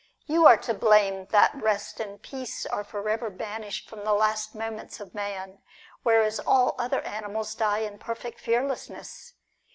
You are to blame that rest and peace are for ever banished from the last moments of man, whereas all other animals die in perfect fearlessness.